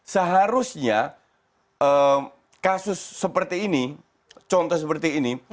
seharusnya kasus seperti ini contoh seperti ini